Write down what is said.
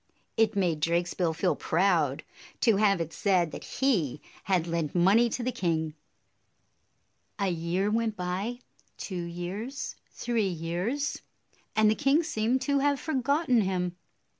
It made Drakesbill feel proud to have it said that he had lent money to the king. A year went by, — two years, three years, — and the king seemed to have forgotten him.